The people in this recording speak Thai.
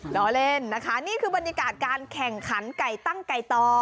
ล้อเล่นนะคะนี่คือบรรยากาศการแข่งขันไก่ตั้งไก่ต่อ